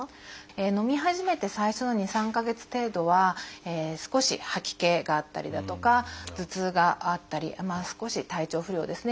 のみ始めて最初の２３か月程度は少し吐き気があったりだとか頭痛があったり少し体調不良ですね。